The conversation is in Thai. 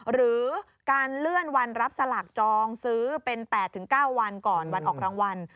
หรือการเลื่อนวันรับสลากจองซื้อเป็น๘๙วันก่อนวันออกรางวัล